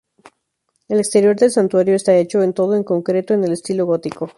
El exterior del Santuario está hecho todo en concreto en el estilo gótico.